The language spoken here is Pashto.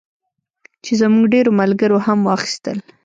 چې زموږ ډېرو ملګرو هم واخیستل.